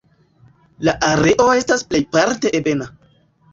La areo estas plejparte ebena.